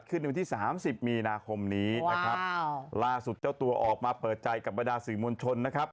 ครับว้าวล่าสุดเจ้าตัวออกมาเปิดใจกับบรรดาสืมวลชนนะครับ